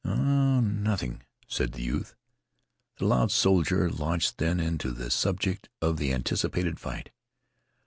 "Oh, nothing," said the youth. The loud soldier launched then into the subject of the anticipated fight.